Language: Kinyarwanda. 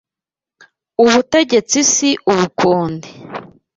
Ubutegetsi si ubukonde